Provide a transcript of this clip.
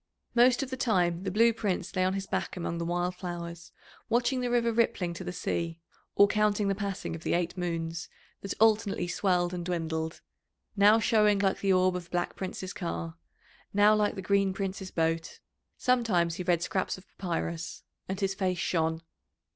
Most of the time the Blue Prince lay on his back among the wild flowers, watching the river rippling to the sea or counting the passing of the eight moons, that alternately swelled and dwindled, now showing like the orb of the Black Prince's car, now like the Green Prince's boat. Sometimes he read scraps of papyrus, and his face shone.